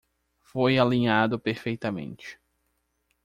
Foi alinhado perfeitamente.